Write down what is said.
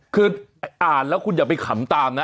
คืออ่านแล้วคุณอย่าไปขำตามนะ